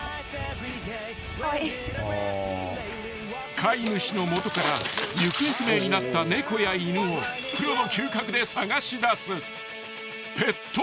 ［飼い主の元から行方不明になった猫や犬をプロの嗅覚で捜し出すペット探偵］